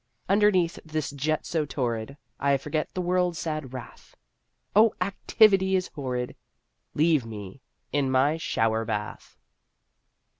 Underneath this jet so torrid I forget the world's sad wrath: O activity is horrid! Leave me in my shower bath!